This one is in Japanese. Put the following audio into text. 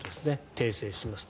訂正しますと。